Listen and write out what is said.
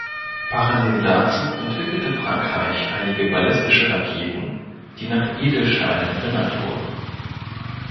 Parallel dazu entwickelte Frankreich einige ballistische Raketen, die nach Edelsteinen benannt wurden.